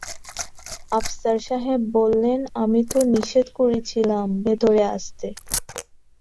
আফসার সাহেব বললেন, আমি তো নিষেধ করেছিলাম ভেতরে আসতে।